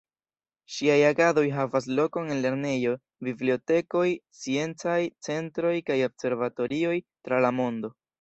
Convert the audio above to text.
Ŝiaj agadoj havas lokon en lernejoj, bibliotekoj, sciencaj centroj kaj observatorioj tra la mondo.